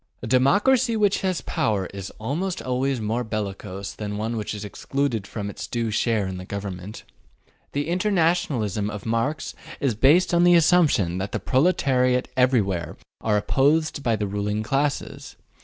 A democracy which has power is almost always more bellicose than one which is excluded from its due share in the government. The internationalism of Marx is based upon the assumption that the proletariat everywhere are oppressed by the ruling classes.